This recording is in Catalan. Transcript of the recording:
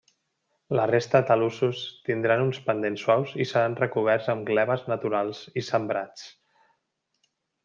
La resta de talussos tindran uns pendents suaus i seran recoberts amb gleves naturals i sembrats.